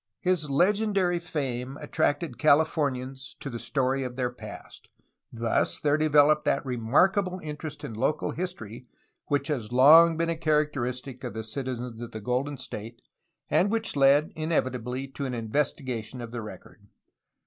His legendary fame at tracted Californians to the story of their past. Thus there developed that remarkable interest in local history which has long been a characteristic of the citizens of the Golden State and which led inevitably to an investigation of the record.